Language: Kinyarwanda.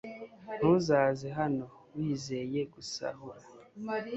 ntuzaze hano wizeye gusahura